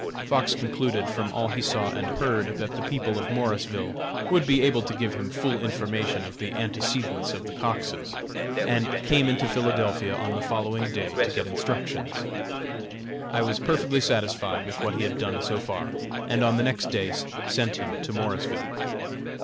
Fox concluded, from all he saw and heard, that the people of Morrisville would be able to give him full information of the antecedents of the Coxes, and came into Philadelphia on the following day to get instructions. I was perfectly satisfied with what he had done so far, and on the next day sent him to Morrisville.